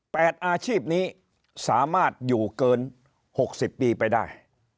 อาชีพนี้สามารถอยู่เกินหกสิบปีไปได้